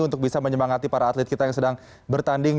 untuk bisa menyemangati para atlet kita yang sedang bertanding